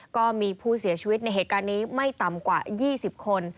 ก็มีผู้เสียชีวิตในเหตุการณ์นี้ไม่ต่ำกว่า๒๐คน